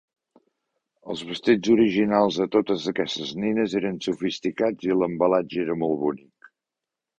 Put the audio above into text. Els vestits originals de totes aquestes nines eren sofisticats i l'embalatge era molt bonic.